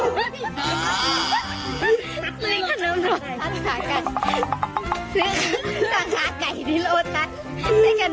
โอ้โหโอ้โห